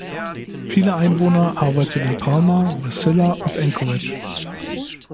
Viele Einwohner arbeiten in Palmer, Wasilla und Anchorage.